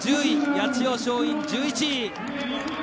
八千代松陰、１１位。